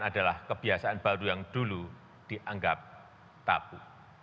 adalah kebiasaan baru yang dulu dianggap tabu